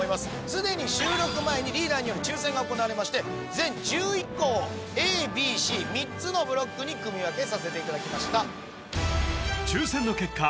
すでに収録前にリーダーによる抽選が行われまして全１１校をＡＢＣ３つのブロックに組分けさせていただきました抽選の結果